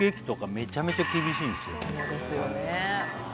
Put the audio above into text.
そうですよね